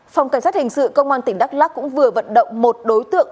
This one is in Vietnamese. phòng cảnh sát hình sự công an tỉnh đắk lắc cũng vừa vận động một đối tượng